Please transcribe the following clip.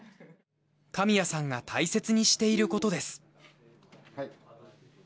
神谷さんが大切にしている事です。